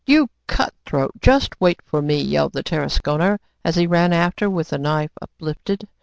"You cut throat! just wait for me!" yelled the Tarasconer as he ran after, with the knife uplifted.